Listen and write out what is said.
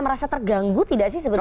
merasa terganggu tidak sih sebetulnya